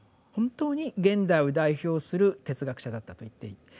本当に現代を代表する哲学者だったと言っていい。